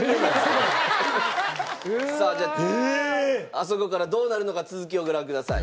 あそこからどうなるのか続きをご覧ください。